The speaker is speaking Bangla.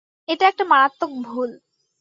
এটা একটা মারাত্মক ভুল।